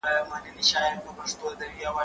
زه سیر کړی دی؟!